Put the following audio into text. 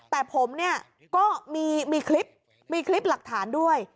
แต่ผมเนี่ยก็มีคลิปมีคลิปหลักฐานด้วย